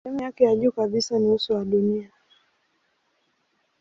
Sehemu yake ya juu kabisa ni uso wa dunia.